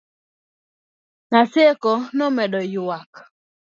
Naseko nomedo yuak